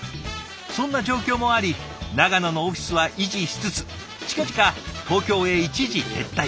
そんな状況もあり長野のオフィスは維持しつつ近々東京へ一時撤退。